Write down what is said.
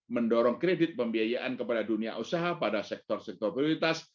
mendorong kredit pembiayaan kepada dunia usaha pada sektor sektor prioritas